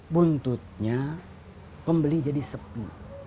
buntutnya pembeli jadi sepi